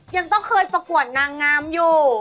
ยังต้องเคยประกวดนางงามอยู่